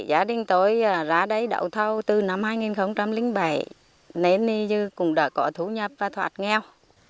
giá đinh tối ra đấy đậu thâu từ năm hai nghìn bảy nên cũng đã có thú nhập và thoạt nghèo